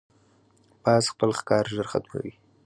باز خپل ښکار ژر ختموي